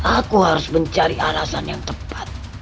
aku harus mencari alasan yang tepat